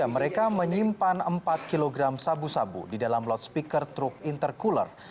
mereka menyimpan empat kg sabu sabu di dalam loudspeaker truk intercooler